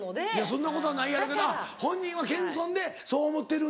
そんなことはないやろうけど本人は謙遜でそう思ってるんだ。